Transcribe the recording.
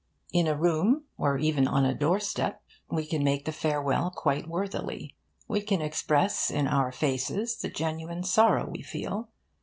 In a room, or even on a door step, we can make the farewell quite worthily. We can express in our faces the genuine sorrow we feel.